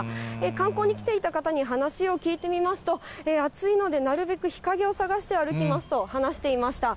観光に来ていた方に話を聞いてみますと、暑いのでなるべく日陰を探して歩きますと話していました。